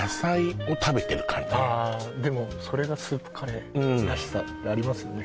それがスープカレーらしさありますよね